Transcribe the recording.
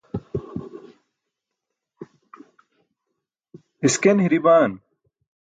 isken hiri baan